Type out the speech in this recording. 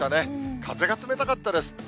風が冷たかったです。